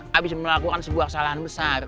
habis melakukan sebuah kesalahan besar